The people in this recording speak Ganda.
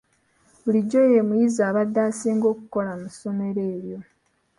Bulijjo ye muyizi abadde asinga okukola mu ssomero eryo.